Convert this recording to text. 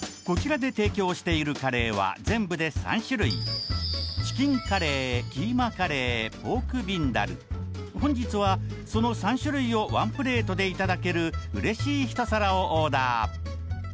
こちらで提供しているカレーは全部で３種類チキンカレーキーマカレーポークビンダル本日はその３種類をワンプレートでいただけるうれしい一皿をオーダー